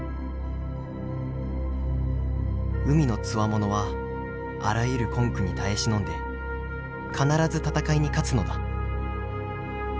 海のつわものはあらゆる困苦に堪え忍んで必ず戦いに勝つのだ」。